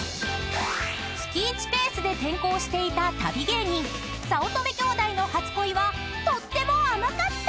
［月１ペースで転校していた旅芸人早乙女兄弟の初恋はとっても甘かった！］